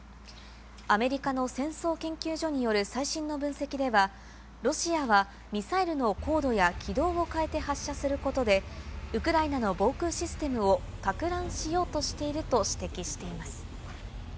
アメリカの戦争研究所による最新の分析では、ロシアはミサイルの高度や軌道を変えて発射することで、ウクライナの防空システムをかく乱しようとしていると指摘しています。